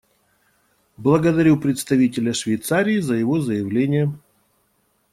Благодарю представителя Швейцарии за его заявление.